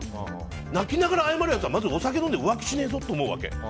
泣きながら謝るやつはまずお酒飲みながら浮気しねえよって思うわけ。